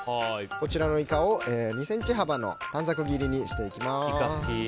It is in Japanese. こちらのイカを２ｃｍ幅の短冊切りにしていきます。